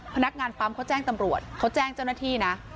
พนักงานปั๊มเขาแจ้งตำรวจเขาแจ้งเจ้าหน้าที่นะ